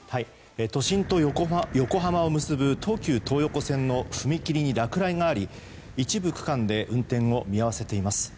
都心と横浜を結ぶ東急東横線の踏切に落雷があり、一部区間で運転を見合わせています。